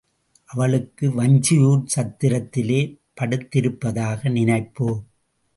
அவளுக்கு வஞ்சியூர்ச் சத்திரத்திலே படுத்திருப்பதாக நினைப்பு.